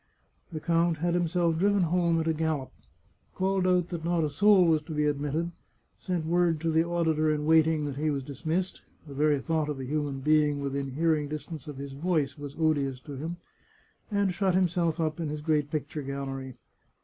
The count had himself driven home at a gallop, called out that not a soul was to be admitted, sent word to the auditor in waiting that he was dismissed (the very thought of a human being within hearing distance of his voice was odious to him), and shut himself up in his great picture gallery.